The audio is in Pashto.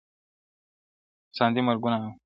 ساندي مرګونه اوري -